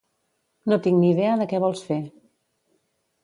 No tinc ni idea de què vols fer.